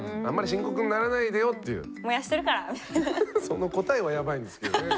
その答えはヤバいんですけどね。